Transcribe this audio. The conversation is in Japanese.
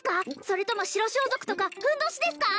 それとも白装束とかふんどしですか？